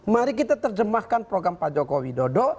mari kita terjemahkan program pak jokowi dodo